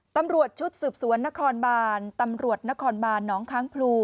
ตำรวจชุดสืบสวนนครบานตำรวจนครบานน้องค้างพลู